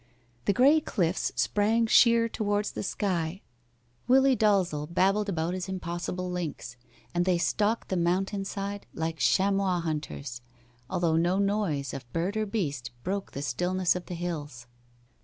The gray cliffs sprang sheer towards the sky. Willie Dalzel babbled about his impossible lynx, and they stalked the mountain side like chamois hunters, although no noise of bird or beast broke the stillness of the hills.